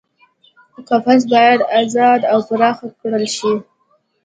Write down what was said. قفس باید ازاد او پراخ کړل شي.